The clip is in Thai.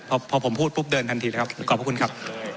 พอผมพูดปุ๊บเดินทันทีเลยครับขอบพระคุณครับ